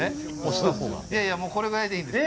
いやいや、もうこれぐらいでいいんです。